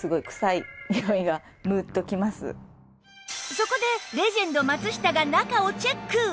そこでレジェンド松下が中をチェック！